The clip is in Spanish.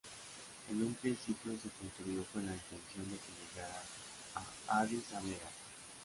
En un principio se construyó con la intención de que llegara a Adís Abeba.